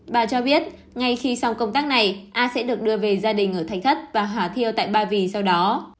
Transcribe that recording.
bà cho biết ngay khi xong công tác này a sẽ được đưa về gia đình ở thành thất và hòa thiêu tại ba vì sau đó